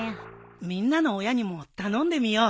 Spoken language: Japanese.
みんなの親にも頼んでみよう。